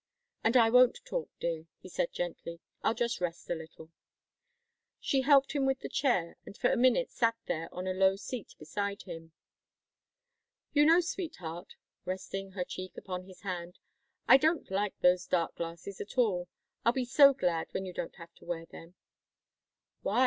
"And I won't talk, dear," he said gently; "I'll just rest a little." She helped him with the chair and for a minute sat there on a low seat beside him. "You know, sweetheart," resting her cheek upon his hand, "I don't like those dark glasses at all. I'll be so glad when you don't have to wear them." "Why?"